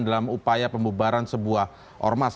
dalam upaya pembubaran sebuah ormas